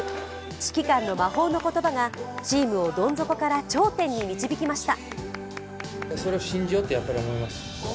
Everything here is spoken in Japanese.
指揮官の魔法の言葉がチームをどん底から頂点に導きました。